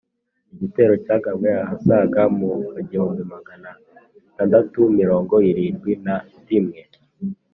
Igitero cyagabwe ahasaga mu wa igihumbi Magana atandatu mirongo irindi na rimwe.